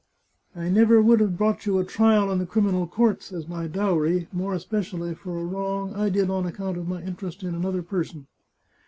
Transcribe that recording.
I never would have brought you a trial in the criminal courts as my dowry, more espe cially for a wrong I did on account of my interest in another person."